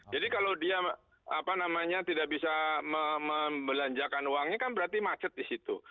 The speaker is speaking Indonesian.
jadi kalau dia apa namanya tidak bisa membelanjakan uangnya kan berarti macet di situ